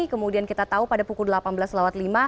kemudian kita tahu pada pukul delapan belas lima